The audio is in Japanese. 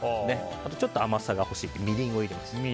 あとちょっと甘さが欲しいのでみりんを入れます。